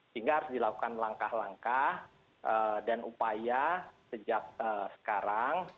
sehingga harus dilakukan langkah langkah dan upaya sejak sekarang